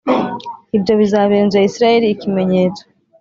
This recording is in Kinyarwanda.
Ibyo bizabera inzu ya Isirayeli ikimenyetso